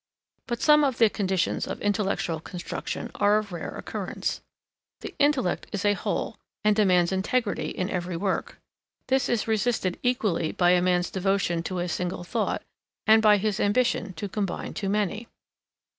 But some of the conditions of intellectual construction are of rare occurrence. The intellect is a whole and demands integrity in every work. This is resisted equally by a man's devotion to a single thought and by his ambition to combine too many.